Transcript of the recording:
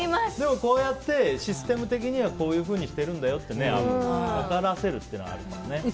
でもこうやって、システム的にはこういうふうにしてるんだよって分からせるっていうのはあるかもしれないね。